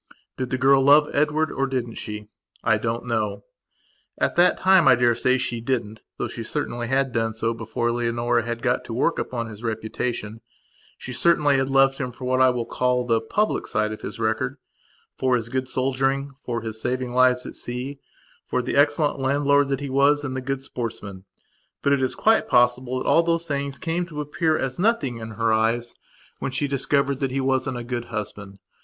Did the girl love Edward, or didn't she? I don't know. At that time I daresay she didn't though she certainly had done so before Leonora had got to work upon his reputation. She certainly had loved him for what I call the public side of his recordfor his good soldiering, for his saving lives at sea, for the excellent landlord that he was and the good sportsman. But it is quite possible that all those things came to appear as nothing in her eyes when she discovered that he wasn't a good husband.